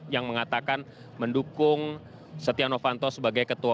yang mengatakan mendukung sotiano fanto sebagai ketua umum